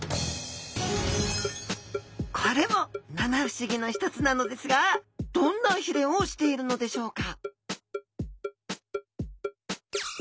これも七不思議の一つなのですがどんなひれをしているのでしょうか？